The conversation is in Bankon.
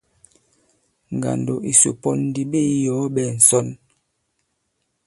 Ngàndò ìsɔ pɔ̄n ndi ɓě iyɔ̀ɔ ɓɛ̄ɛ ŋ̀sɔnl.